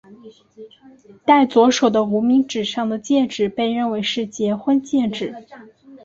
戴左手的无名指上的戒指被认为是结婚戒指。